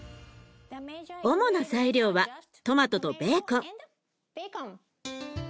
主な材料はトマトとベーコン。